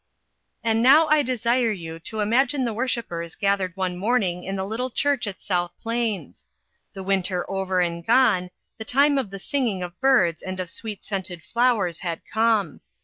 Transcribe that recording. AND now I desire you to imagine the worshipers gathered one morning in the little church at South Plains. The winter over and gone ; the time of the singing of birds and of sweet scented flowers had come.